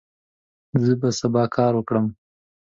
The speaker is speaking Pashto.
زه به سبا کار وکړم.